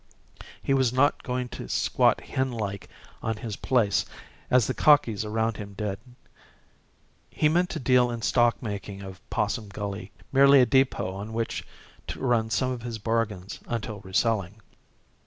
He was not going to squat henlike on his place as the cockies around him did. He meant to deal in stock making of Possum Gully merely a depot on which to run some of his bargains until reselling.